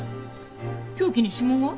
凶器に指紋は？